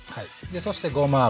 そしてごま油。